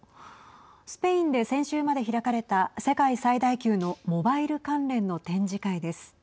スペインで先週まで開かれた世界最大級のモバイル関連の展示会です。